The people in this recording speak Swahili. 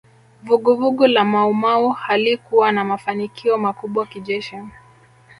Vuguvugu la Maumau halikuwa na mafanikio makubwa kijeshi